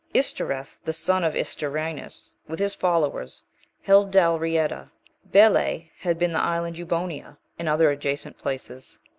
Istoreth, the son of Istorinus, with his followers, held Dalrieta; Buile had the island Eubonia, and other adjacent places.